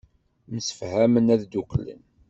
Msefhamen ad dduklen.